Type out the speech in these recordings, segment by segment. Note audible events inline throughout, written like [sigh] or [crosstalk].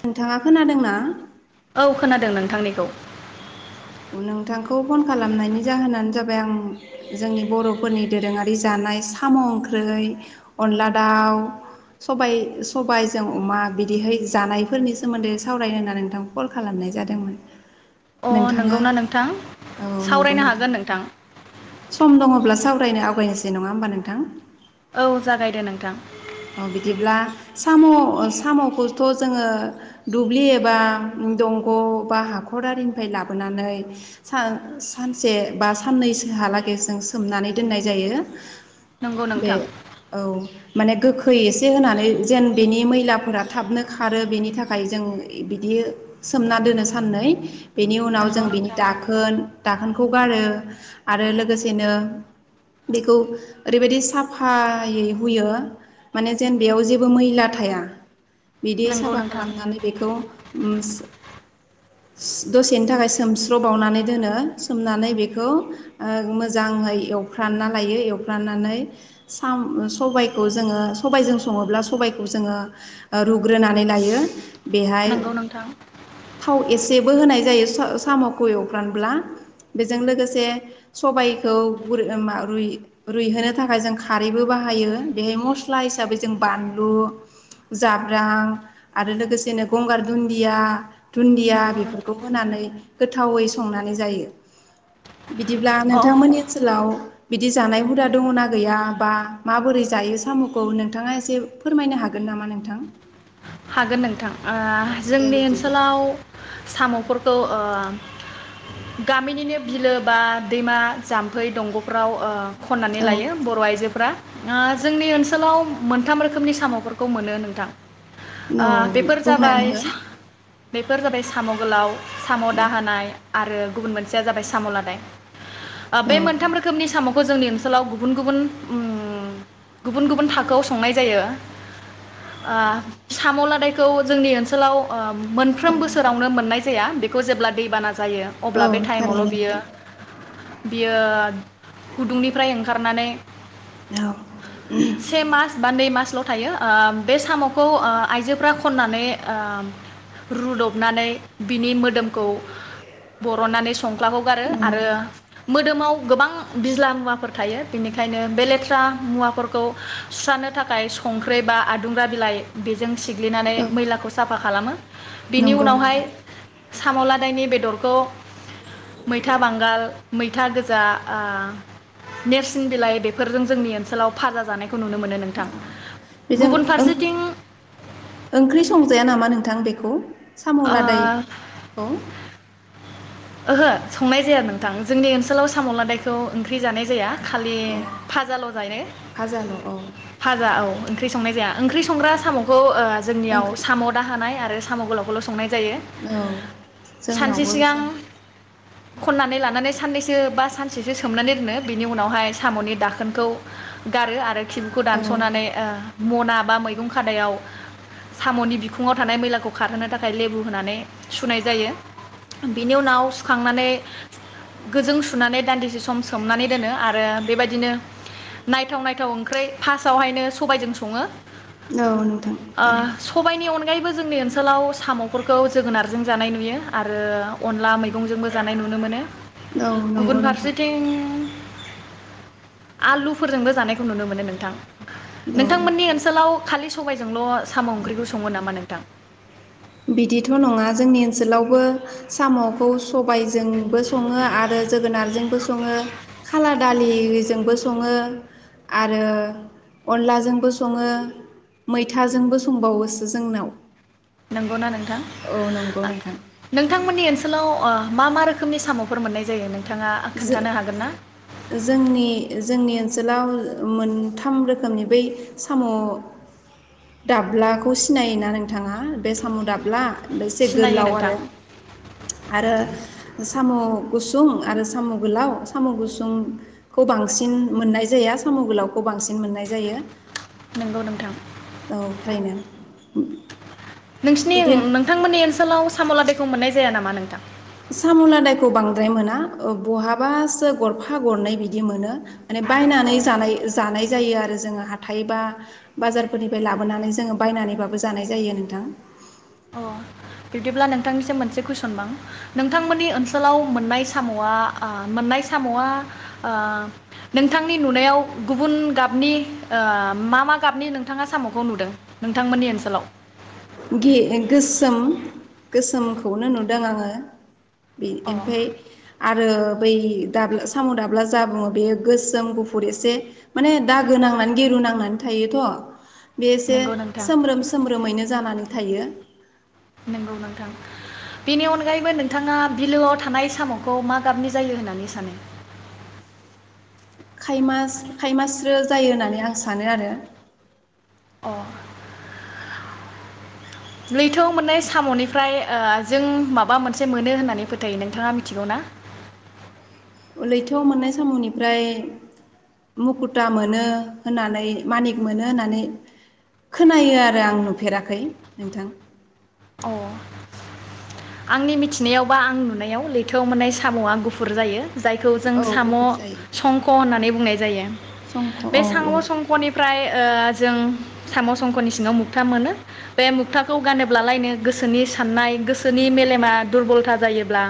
नोंथांङा खोनादोंना? औ खोनादों नोंथांनिखौ। नोंथांखौ फन खालामनायनि जाहोनानो जाबाय आं जोंनि बर'फोरनि दोरोंङारि जानाय साम' ओंख्रि अनला दाव सबाय सबायजों अमा बिदिहै जानायफोरनि सोमोन्दै सावरायनो होननानै नोंथांखौ कल खालामनाय जादोंमो। नोंथां नोंगौना नोंथां? सावरायनो हागोन नोंथां। सम दंङब्ला सावरायनो आवगायहसै नंङा होमबा नोंथां? औ जागायदो नोंथां। अ बिदिब्ला साम' साम'खौथ' जोंङो दुब्लि एबा दंग' बा हाखरारिनिफ्राय लाबोनानै सा-सानसे बा साननैसोहालागै जों सोमनानै दोननाय जायो। नंगौ बे नोंथां औ माने गोखै एसे होनानै जेन बेनि मैलाफोरा थाबनो खारो बेनि थाखाय जों बिदि सोमना दोनो साननै बेनि उनाव नंगौ जों बिनि नोंथां दाखोन दाखोनखौ गारो आरो लोगोसेनो बेखौ ओरैबायदि साफायै हुयो। माने जेन बेयाव जेबो मैला थाया। बिदि नंगौ साफा नोंथां खालामनानै बेखौ उम दसेनि थाखाय सोमस्र'बावनानै दोनो सोमनानै बेखौ ओ मोजांङै एवफ्रानना लायो एवफ्राननानै सबायखौ जोंङो सबबायजों संङोब्ला सबायखौ जोंङो ओ रुग्रोनानै लायो। बेहाय नंगौ नोंथां थाव एसे जेबो होनाय जायो स साम'खौ एवफ्रानब्ला बेजों लोगोसे सबायखौ रुग्रो रुइहोनो थाखाय जों खारैबो बाहायो बे मस सिख्ला हिसाबै जों बानलु जाब्रां आरो लोगोसेनो गंगार दुदिया दुन्दिया नंगौ नोंथां बेफोरखौ होनानै गोथावै संनानै जायो। बिदिब्ला अ नोंथांमोननि ओनसोलाव बिदि जानाय हुदा दंङना गैया बा माबोरै जायो साम' औ नोंथांङा एसे फोरमायनो हागोन नामा नोंथां? हागोन नोंथां औ ओ दे जोंनि ओ बिदिब्ला ओनसोलाव साम'फोरखौ‌ ओ गामिनिनो बिलो बा दैमा जाम्फै दंग'फ्राव ओ खननानै औ लायो बर' आइजोफोरा। ओ जोंनि ओनसोलाव मोनथाम रोखोमनि साम'फोरखौ मोनो नोंथां। ओ औ बेफोर बुंनानै जाबाय हो बेफोर जाबाय साम' गोलाव साम' औ दाहोनाय आरो गुबुन मोनसेया जाबाय साम'लादाय। ओ औ बे मोनथाम रोखोमनि साम' खौ जोंनि ओनसोलाव गुबुन-गुबुन उम गुबुन-गुबुन थाखोआव संनाय जायो ओ। साम' लादायखौ जोंनि ओनसोलाव उम औ मोनफ्रोम बोसोरावनो मोननाय जाया बे जेब्ला दैबाना जायो औ अब्ला बे थाइयेमावल थारैनो बेयो नोंथां बियो गुदुं निफ्राय खारनानै औ से मास बा नै मास ल' थायो ओ बे साम'खौ ओ आइजोफ्रा खननानै ओ रुदबनानै बिनि मोदोमखौ बरननानै सु खंख्लाखौ गारो आरो मोदोमाव गोबां बिज्ला मुवाफोर थायो बेनिखायनो बे लेथ्रा मुवाफोरखौ सुस्रांनो थाखाय संख्रि बा आदुंग्रा बिलाइ बेजों सिग्लिनानै औ मैलाखौ साफा खालामो। बिनि नंगौ उनावहाय नोंथां साम'लादायनि बेदरखौ मैथा बांगाल मैथा गोजा ओ नेरसिं बिलाइ बेफोरजों जोंनि ओनसोलाव भाजा जानाय खौ नुनो मोनो नोंथां औ बेजों गुबुन फारसेथिं ओंख्रि संजाया नामा नोंथां बेखौ? साम' लादायखौ ओहो संनाय जाया नोंथां जोंनि ओनसोलाव साम' लादायखौ ओंख्रि जानाय जाया। खालि अ भाजाल' जायो फाजाल' औ भाजा औ ओंख्रि संनाय जाया ओंख्रि संग्रा साम'खौ जोंनियाव ओंख्रि साम' दाहानाय आरो आरो साम' गोलावखौलसो संनाय जायो औ सानसे जोंनावबो सिगां साम' खन्नानै लानानै साननैसो बा सानसेसो सोमनानै दोनो बिनि उनावहाय साम'नि दाखोनखौ गारो आरो खिबुखौ औ दानस'नानै मना बा मैगं खादायाव साम'नि बिखुङाव थानाय मैलाखौ खारहोनो थाखाय लेबु होनानै सुनाय जायो बेनि उनाव सुखांनानै गोजों सुनानै दान्दिसे सम सोमनानै दोनो आरो बेबायदिनो नायथाव नायथाव ओंख्रै फासावहायनो सबायजों सङो। औ नोंथां ओ थारैनो। सबायनि अनगायैबो जोंनि ओनसोलाव साम'फोरखौ जोगोनारजों जानाय नुयो आरो अनला मै मैगंजोंबो जानाय नुनो मोनो। औ गुबुन नंगौ नोंथां फारसेथिं आलुफोरजोंबो जानायखौ नुनो मोनो नोंथां। औ नोंथांमोननि ओनसोलाव खालि स सबायजोंल' साम' ओंख्रिखौ सङो नामा नोंथां? बिदिथ' नङा जोंनि ओनसोलावबो साम'खौ सबायजोंबो सङो आरो जोगोनारजोंबो सङो खाला दालिजोंबो सङो आरो अनलाजोंबो सङो मैथाजोंबो संबावोसो जोंनाव। नंगौना नोंथां औ नंगौ नोंथां नोंथांमोननि ओनसोलाव ओ मा मा रोखोमनि साम'फोर मोननाय जायो नों जो-जोंनि जोंनि ओनस सोलाव मोनथाम रोखोमनि बै साम' दाब्लाखौ सिनायोना नोंथाङा बे साम' दाब्ला एसे सिनायो गोलाव नोंथां आरो साम' गुसुं आरो साम' गोलाव साम' गुसुंखौ बांसिन मोननाय जाया साम' गोलावखौ बांसिन मोननाय जायो। नंगौ नोंथां। औ थारैनो उ उ। नोंसिनि उ नोंथांमोननि ओनसोलाव साम' लादायखौ मोननाय जाया नामा नोंथां? साम' लादायखौ बांद्राय मोना बहाबासो गरफा गरनै बिदि मोनो। माने औ बायनानै जानाय-जानाय जायो आरो। जोङो हाथायबा बाजारफोरनिफ्राय लाबोनानै जोङो बायनानैबाबो जानाय जायो नोंथां। अ बिब्दिब्ला नोंथांनिसिम मोनसे कुइसन बां नोंथांमोननि ओनसोलाव मोननाय साम'आ मोननाय साम'आ नोंथांनि नुनायाव गुबुन गाबनि मा मा गाबनि नोंथाङा साम'खौ नुदों नोंथांमोननि ओनसोलाव? गि-गोसोम गोसोमखौनो नुदों आङो। बि अ ओमफाय आरो बै दाब्ला साम' दाब्ला जा बुङो बेयो गोसोम गुफुर एसे माने दागो नांनानै गिरु नांनानै थायोथ' बेसे नंगौ नोंथां सोम्रोम सोम्रोमैनो जानानै थायो नंगौ नोंथां बेनि अनगायैबो नोंथाङा बिलोआव थानाय साम'खौ मा गाबनि जायो होननानै सानो? खायमास खायमास्रो जायो होननानै आं सानो आरो अ लैथो मोननाय साम'निफ्राय जों माबा मोनसे मोनो होननानै फोथायो नोंथाङा मिथिगौ ना? लैथोआव मोननाय साम'निफ्राय मुखुथा मोनो होननानै मानिक मोनो होननानै खोनायो आरो आं नुफेराखै नोंथां। अ आंनि मिथिनायाव बा आं नुनायाव लैथोआव मोननाय साम'आ गुफुर जायो। जायखौ जों औ साम' गुफुर जायो संख' होननानै बुंनाय जायो संख' बे औ साम' औ संख'निफ्राय जों साम' संख'नि सि सिङाव मुथा मोनो बे मुथाखौ गा ब्लालायनो गोसोनि साननाय गोसोनि मेलेमा दुरबलथा जायोब्ला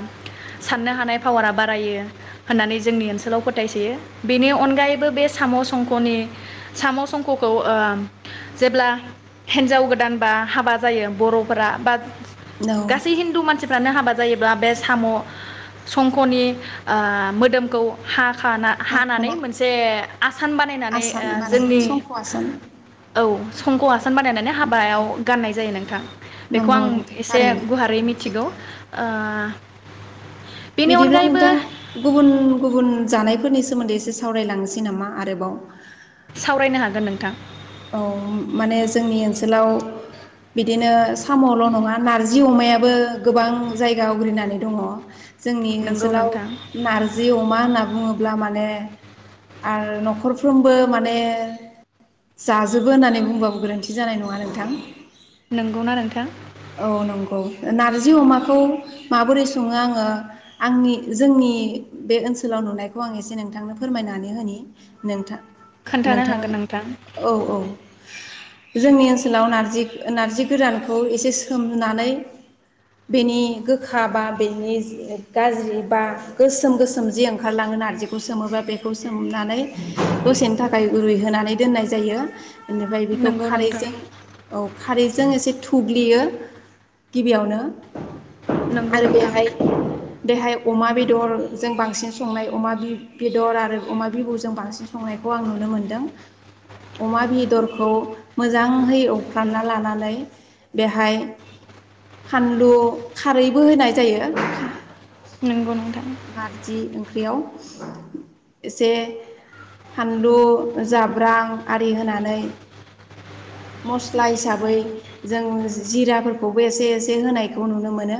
साननो हानाय पावारा बारायो होननानै जोंनि ओनसोलाव फोथायसयो बेनि अनगायैबो बे साम'ख'नि साम' संख'खौ जेब्ला हिन्जाव गोदान बा हाबा जायो बर'फोरा बा औ गासै हिन्दु मानसिफ्रानो हाबा जायोबा बे साम' संखनि मोदोमखौ हा हानानै साख'ना मोनसे आसान बानायनानै आसान बानायनाय जोंनि संख' आसान औ संख' आसान सान बानायनानै हाबायाव गाननाय जायो नोंथां बेखौ नंगौ आं नोंथां एसे थारैनो गुवारै मिथिगौ। सैथो बा बिदिब्ला नोंथां गुबुन गुबुन जानायफोरनि सोमोन्दै एसे सावरायलांनोसै नामा? आरोबाव सावरायनो हागोन नोंथां औ माने जोंनि ओनसोलाव बिदिनो साम'ल' नङा नारजि अमायाबो गोबां जायगा आवग्रिनानै दङ जोंनि नंगौ ओनसोलाव नोंथां नारजि अमा होननानै बुङोब्ला माने आरो न'खरफ्रोमबो माने जाजोबो होननानै बुंबाबो गोरोन्थि जानाय नङा नोंथां नंगौना नोंथां? औ नंगौ नारजि अमाखौ माबोरै सङो आङो आंनि जोंनि बे ओनसोलाव नुनायखौ आं एसे नोंथांनो फोरमायनानै होनि नोंथां खोन्थानो नोंथाङा हागोन नोंथां औ औ जोंनि ओनसोलाव नारजि नार्जि गोरानखौ एसे सोमनानै बेनि गोखा बा बेनि गाज्रि बा गोसोम गोसोम जि ओंखारलाङो नार्जिखौ सोमोबा बेखौ सोमनानै दसेनि थाखाय रुइहोनानै दोननाय जा जायो बेनिफ्राय बेखौ नंगौ नोंथां खारैजों औ खारैजों एसे थुग्लियो गिबियावनो नंगौ आरो नोंथां बेहाय बेहाय अमा बेदर जों बांसिन संनाय अमा बि बेदर आरो अमा बिबुजों बांसिन संनायखौ आं नुनो मोनदों। अमा बेदरखौ मोजांहै एवफ्रामना लानानै बेहाय फानलु खारैबो होनाय जायो। नंगौ नोंथा नारजि ओंख्रियाव एसे फानलु जाब्रां आरि होनानै मस्ला हिसाबै जों जिराफोरखौबो एसे एसे होनायखौ नुनो मोनो।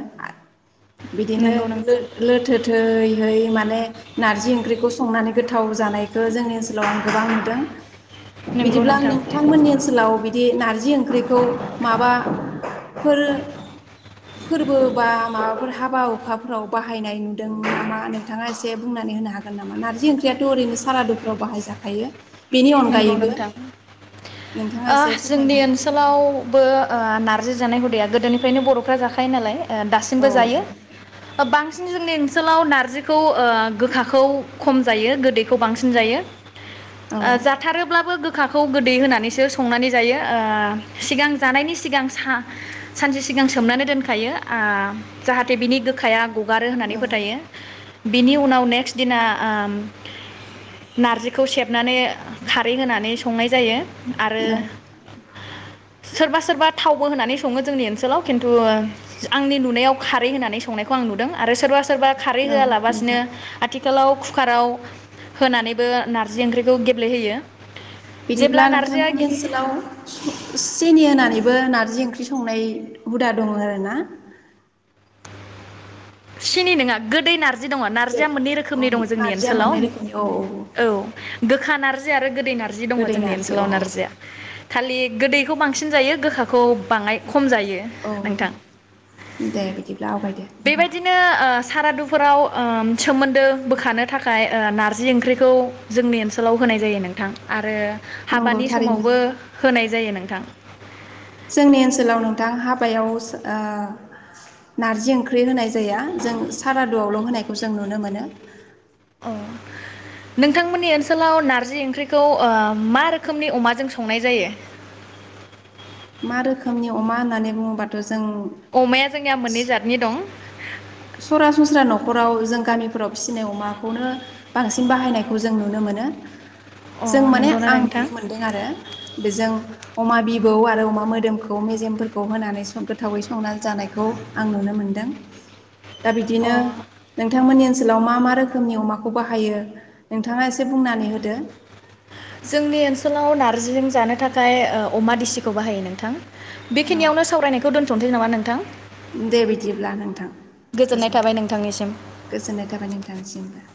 बिदिनो नंगौ लो नोंथां लोथो होयै होयै माने नारजि ओंख्रिखौ संनानै गोथाव जानायखौ जोंनि ओनसोलाव आं गोबां नुदों। नंगौ बिदिब्ला नोंथां नोंथामोन्नि ओनसोलाव बि बे नारजि ओंख्रिखौ माबा फोर फोरबो बा माबाफोर हाबा हुखाफोराव बाहायनाय नु दों नामा नोंथाङा एसे बुंनानै होनो हागोन नामा? नारजि ओंख्रियाथ ओरैनो सारादुफ्राव बाहायजाखायो। बेनि नंगौ अनगायैबो नोंथां नोंथाङा ओ एसे फोरमायना जोंनि हो। ओनसोलावबो ओ नार रजि जानाय हुदाया गोदोनिफ्रायनो बरफ्रा जाखायो नाला औ दासिमबो जायो। नंगौ बां सिन जोंनि ओनसोलाव नारजिखौ ओ गोखाखौ खम जायो गोदैखौ बांसिन जायो। औ ओ जाथारोब्लाबो गो खाखौ गोदै होनानैसो संनानै जायो ओ सिगां जानायनि सिगां सा-सानसे सिगां सोमनानै मोनखायो ओ जाहाथे बिनि गोखाया गगारो होननानै औ फोथायो। बिनि उनाव नेक्ट दिना ओम नारजिखौ सेबनानै खारै होनानै संनाय जायो। आरो औ सोरबा सोरबा थावबो होनानै सङो जोंनि ओनसोलाव खिन्थु ओ आंनि नुनायाव खारै होनानै संनायखौ आं नुदों आरो सोरबा सोर सोरबा खारै औ होआलाबासिनो नोंथां आथिखाल खालाव कुखाराव होनानैबो नारजि ओंख्रिखौ गे ब्लेहोयो बिदिब्ला नोंथांमोननि ओनसोलाव सेनि होना नैबो नारजि ओंख्रि संनाय हुदा दङो आरोना सिनि नोङा गोदै नार जि दङ नारजिया मोननै अ रोखोमनि दं जोंनि नारजिया ओनसोलाव। मोननै रोखोमनि औ औ गोखा नारजि [unintelligible] दै नारजि दङ गोदै जोंनि नारजि अ ओनसोलाव नारजिया खालि गोदैखौ बांसिन जायो गोखाखौ बाङाय ख औ दे बिदिब्ला आवगायदो बेबादिनो सारादुफोराव ओ सोमोन्दो बोखांनो थाखाय ओ नारजि ओंख्रिखौ जोंनि ओनसोलाव होनाय जायो नोंथां आरो नंगौ हाबानि थारैनो समावबो होनाय जायो नोंथां जोंनि ओनसोलाव नोंथां हाबायाव ओ नारजि ओंख्रि होनाय जाया जों सारादुआवल' होनायखौ जों नुनो मोनो। औ नोंथांमोननि ओनसोलाव नारजि ओंख्रिखौ ओ मा रोखोमनि अमाजों संनाय जायो? मा रोखोमनि अमा होननानैे बुङो बाथ' अमाया जोंनिया मोननै जातनि दं सरासनस्रा न'खराव जों गामिफोराव फिसिनाय अमाखौनो बांसिन बाहायनायखौ जों नुनो मोनो। अ जों माने नंगौना आं नोंथां नुनो मोनदों आरो बेजों अमा बिबौ आरो अमा मोदोमखौ मेजेमफोरखौ होनानै गोथावै संना जानायखौ आं नुनो मोनदों। दा अ बिदिनो नोंथांमोननि ओनसोलाव मा मा रोखोमनि अमाखौ बाहायो नोंथाङा एसे बुंनानै होदो? जोंनि ओनसोलाव नारजिजों जानो थाखाय ओ अमा दिसिखौ बाहायो नोंथां औ बेखिनियावनो सावरायनायखौ दोनथ'नोसै नामा नों नोंथां दे बिदिब्ला नोंथां गोजोननाय थाबाय गोजोननाय थाबाय नोंथांनिसिमबो।